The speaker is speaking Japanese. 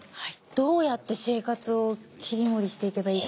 どうやって生活を切り盛りしていけばいいか。